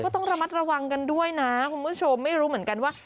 ต้องระมัดระวังกันด้วยนะคุณผู้ชมไม่รู้เหมือนกันว่า